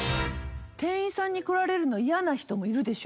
店員さんに来られるの嫌な人もいるでしょ？